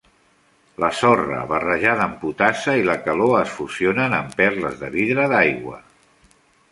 La sorra barrejada amb potassa i la calor es fusionen en perles de vidre d'aigua.